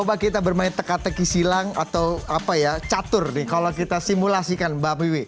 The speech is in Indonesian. coba kita bermain teka teki silang atau catur kalau kita simulasikan mbak wiwi